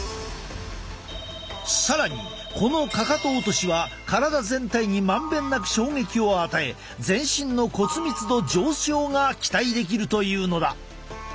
更にこのかかと落としは体全体に満遍なく衝撃を与え全身の骨密度上昇が期待できるというのだ。